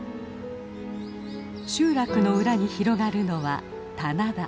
集落の裏に広がるのは棚田。